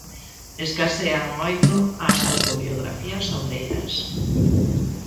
Escasean moito as autobiografías obreiras.